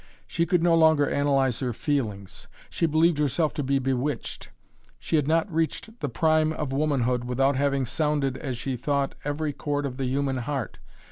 She could no longer analyze her feelings. She believed herself to be bewitched. She had not reached the prime of womanhood without having sounded, as she thought, every chord of the human heart.